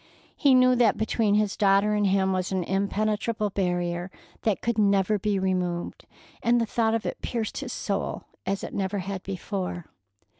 He knew that between his daughter and him was an impenetrable barrier that could never be removed, and the thought of it pierced his soul as it never had before.